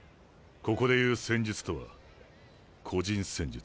ここで言う戦術とは個人戦術。